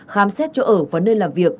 khám xét chỗ ở và nơi làm việc